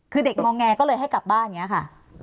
คือเด็กมองแงก็เลยให้กลับบ้านเนี่ยค่ะ